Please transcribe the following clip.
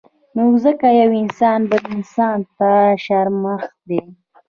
نو ځکه يو انسان بل انسان ته شرمښ دی